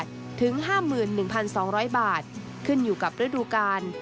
ถึง๕๑๒๐๐บาทขึ้นอยู่กับฤดูกาล